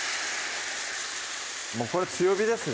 もうこれ強火ですね